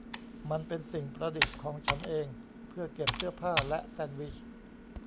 มันเป็นสิ่งประดิษฐ์ของฉันเอง เพื่อเก็บเสื้อผ้าและแซนด์วิช